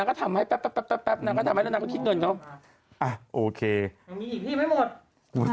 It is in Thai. ก็ทำให้แป๊บทำให้ดันคิดเงินเขา